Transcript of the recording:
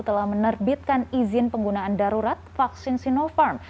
telah menerbitkan izin penggunaan darurat vaksin sinopharm